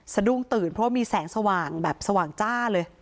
สะดุ้งตื่นเพราะว่ามีแสงสว่างแบบสว่างจ้าเลย